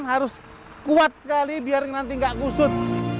harus kuat sekali biar nanti nggak kusut